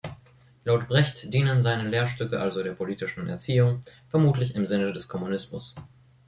Laut Brecht dienen seine Lehrstücke also der politischen Erziehung, vermutlich im Sinne des Kommunismus.